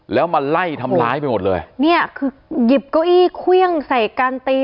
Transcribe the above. แล้วมาไล่ทำร้ายไปหมดเลยเนี่ยคือหยิบเก้าอี้เครื่องใส่การตี